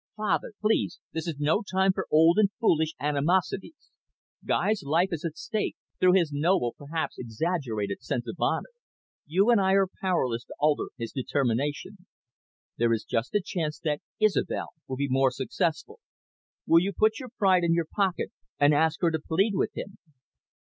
"Father, please, this is no time for old and foolish animosities. Guy's life is at stake, through his noble, perhaps exaggerated, sense of honour. You and I are powerless to alter his determination. There is just a chance that Isobel will be more successful. Will you put your pride in your pocket and ask her to plead with him?"